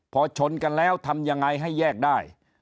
พอชนกันแล้วทำยังไงให้แยกได้